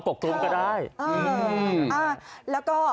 ก็ตอบได้คำเดียวนะครับ